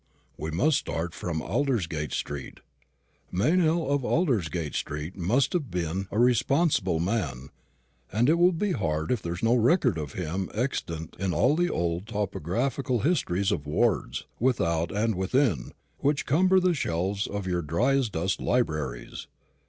"We must start from Aldersgate street. Meynell of Aldersgate street must have been a responsible man, and it will be hard if there is no record of him extant in all the old topographical histories of wards, without and within, which cumber the shelves of your dry as dust libraries.